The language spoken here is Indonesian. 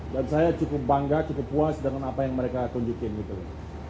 dan saya cukup bangga cukup puas dengan apa yang mereka kunjukin gitu